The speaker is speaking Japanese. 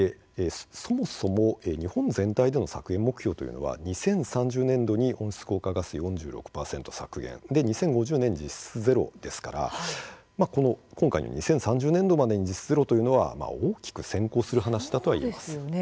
そもそも日本全体での削減目標というのは２０３０年度に温室効果ガス４６％削減２０５０年に実質ゼロですから今回の２０３０年度までに実質ゼロというのは大きく先行する話だといえます。